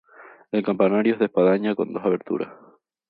El campanario es de espadaña con dos aberturas.